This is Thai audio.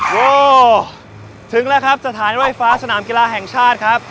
โอ้โหถึงแล้วครับสถานไฟฟ้าสนามกีฬาแห่งชาติครับ